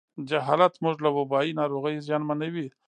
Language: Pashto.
جهالت موږ له وبایي ناروغیو زیانمنوي.